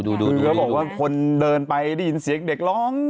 คือเขาบอกว่าคนเดินไปได้ยินเสียงเด็กร้อง